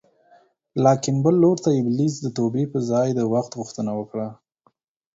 لاکن بل لور ته ابلیس د توبې په ځای د وخت غوښتنه وکړه